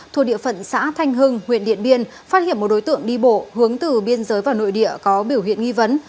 thuộc địa phận xã thanh hưng huyện điện biên phát hiện một đối tượng đi bộ hướng từ biên giới vào nội địa có biểu hiện nghi vấn